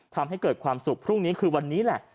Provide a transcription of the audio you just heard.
ทำให้เกิดความสุขพรุ่งนี้คือวันนี้แหละ